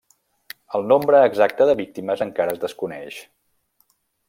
El nombre exacte de víctimes encara es desconeix.